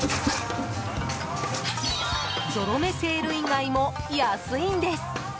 ゾロ目セール以外も安いんです。